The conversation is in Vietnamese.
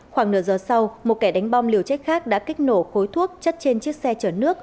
khoảng nửa giờ sau một kẻ đánh bom liều chết khác đã kích nổ khối thuốc chất trên chiếc xe chở nước